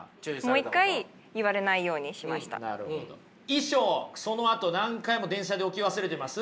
衣装そのあと何回も電車で置き忘れてます？